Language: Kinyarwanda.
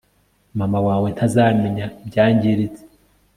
mama wawe ntazamenya ibyangiritse